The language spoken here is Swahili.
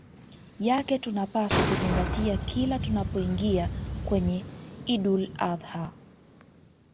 yake tunapaswa kuzingatia kila tunapoingia kwenye Idul Adh ha